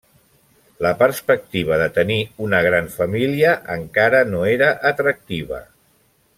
La perspectiva de tenir una gran família encara no era atractiva.